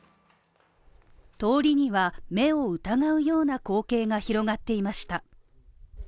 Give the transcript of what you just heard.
通りには、目を疑うような光景が広がっていました。